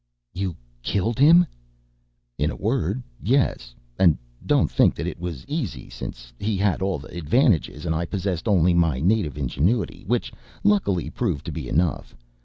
"You killed him?" "In a word yes. And don't think that it was easy since he had all the advantages and I possessed only my native ingenuity, which luckily proved to be enough.